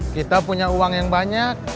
kita punya uang yang banyak